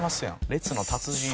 列の達人や」